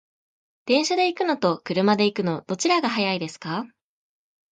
電車で行くのと車で行くの、どちらが早いですか？